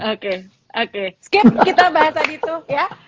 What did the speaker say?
oke oke skip kita bahas tadi tuh ya